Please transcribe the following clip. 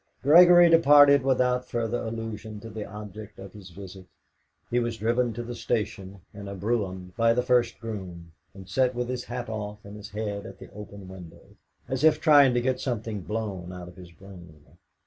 Gregory departed without further allusion to the object of his visit. He was driven to the station in a brougham by the first groom, and sat with his hat off and his head at the open window, as if trying to get something blown out of his brain.